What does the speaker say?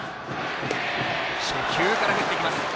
初球から振っていきます。